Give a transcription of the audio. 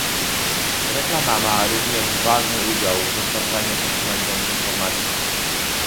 Reklama ma również ważny udział w dostarczaniu konsumentom informacji